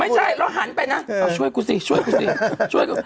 ไม่ใช่เราหันไปนะช่วยกู้สิช่วยกู้สิช่วยกู้